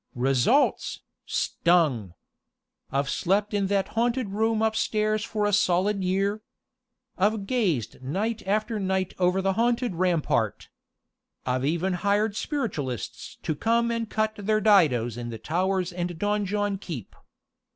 "Results? Stung! I've slept in that haunted room upstairs for a solid year. I've gazed night after night over the haunted rampart. I've even hired spiritualists to come and cut their didoes in the towers and donjon keep.